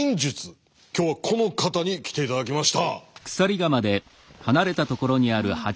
今日はこの方に来て頂きました。